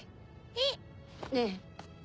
えっ？ねぇ